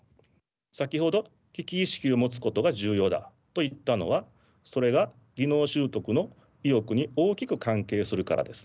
先ほど危機意識を持つことが重要だと言ったのはそれが技能習得の意欲に大きく関係するからです。